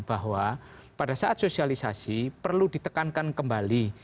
bahwa pada saat sosialisasi perlu ditekankan kembali